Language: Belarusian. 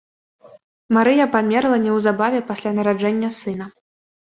Марыя памерла неўзабаве пасля нараджэння сына.